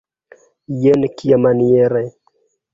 Jen kiamaniere!